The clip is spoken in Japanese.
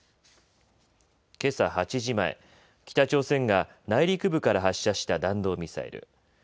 けさ８時前、北朝鮮が内陸部から発射した弾道ミサイル。